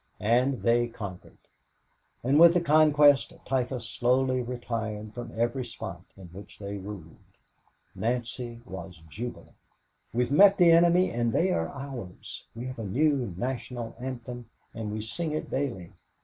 And they conquered. And with the conquest typhus slowly retired from every spot in which they ruled. Nancy was jubilant. "We've met the enemy and they are ours. We have a new National Anthem and we sing it daily.